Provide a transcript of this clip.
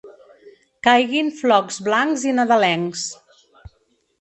Caiguin flocs blancs i nadalencs.